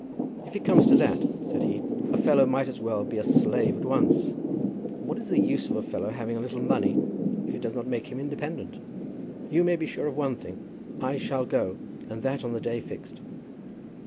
"If it comes to that," said he, "a fellow might as well be a slave at once. And what is the use of a fellow having a little money if it does not make him independent? You may be sure of one thing, I shall go; and that on the day fixed."